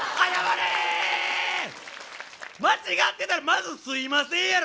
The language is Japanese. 間違ってたらまずすいませんやろ！